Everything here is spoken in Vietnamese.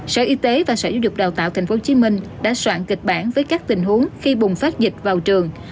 sở y tế và sở giáo dục đào tạo tp hcm đã soạn kịch bản với các tình huống khi bùng phát dịch vào trường